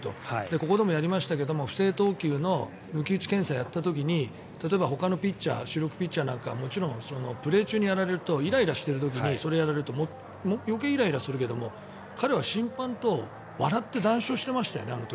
ここでもやりましたが不正投球の抜き打ち検査をやった時に例えば、ほかのピッチャー主力ピッチャーなんかはもちろんプレー中にやられるとイライラしてる時にそれをやられると余計にイライラするけれど彼はあの時、審判と笑って談笑してましたよね。